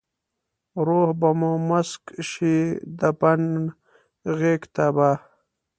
روح به مې موسک شي د بڼ غیږته به ،